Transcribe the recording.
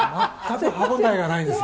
全く歯応えがないんです！